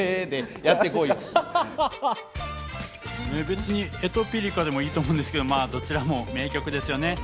別に『エトピリカ』でもいいと思うんですけど、どちらでも名曲ですよね。